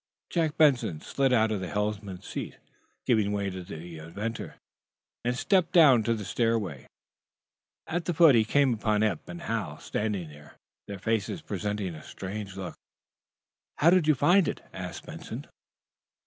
Jack Benson slid out of the helmsman's seat, giving way to the inventor, and stepped down the stairway. At the foot he came upon Eph and Hal, standing there, their faces presenting a strange look. "How do you find it?" asked Benson.